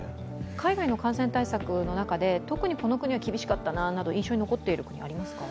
海外の感染対策の中で特にこの国は厳しかったななど印象に残っていることありますか？